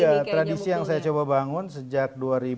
ini tradisi yang saya coba bangun sejak dua ribu empat belas